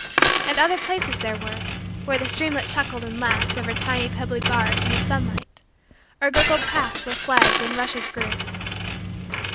And other places there were, where the streamlet chuckled and laughed over tiny pebbly bars in the sunlight or gurgled past where flags and rushes grew.